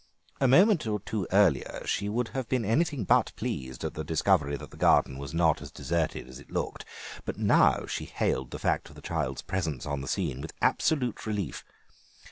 A moment or two earlier she would have been anything but pleased at the discovery that the garden was not as deserted as it looked, but now she hailed the fact of the child's presence on the scene with absolute relief.